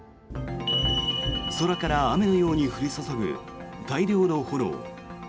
空から雨のように降り注ぐ大量の炎。